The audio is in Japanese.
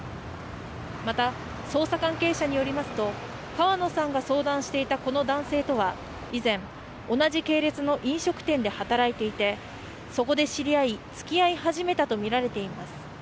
また、捜査関係者によりますと、川野さんが相談していたこの男性とは以前、同じ系列の飲食店で働いていてそこで知り合い、つきあい始めたとみられています。